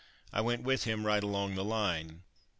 I went with him right along the line.